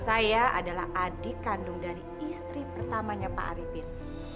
saya adalah adik kandung dari istri pertamanya pak arifin